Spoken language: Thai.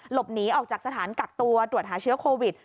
หลบหนีออกจากสถานกักตัวตรวจหาเชื้อโควิด